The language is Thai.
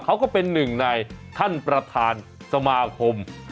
ก็เป็นหนึ่งในท่านประธานสมาคม